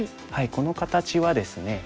この形はですね